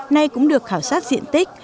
nay cũng được khảo sát diện tích